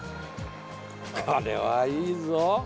これはいいぞ。